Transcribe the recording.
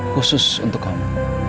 khusus untuk kamu